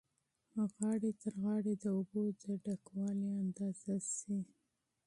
غاړې تر غاړې د اوبو د ډکوالي اندازه ښیي.